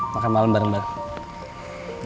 makan malem bareng bareng